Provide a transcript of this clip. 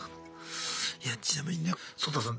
いやちなみにねソウタさん